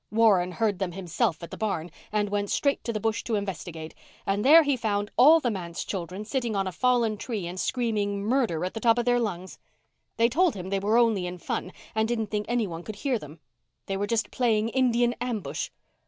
Warren heard them himself at the barn, and went straight to the bush to investigate, and there he found all the manse children sitting on a fallen tree and screaming 'murder' at the top of their lungs. They told him they were only in fun and didn't think anyone would hear them. They were just playing Indian ambush.